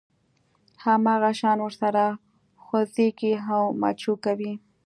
هماغه شان ورسره خوځېږي او مچو کوي.